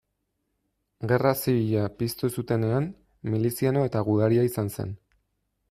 Gerra Zibila piztu zutenean, miliziano eta gudaria izan zen.